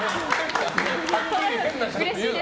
はっきり変な人って言うな。